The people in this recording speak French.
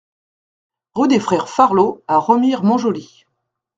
Rue des Frères Farlot à Remire-Montjoly